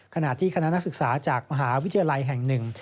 ขณะที่คณะนักศึกษาจากมหาวิทยาลัยแห่งหนึ่ง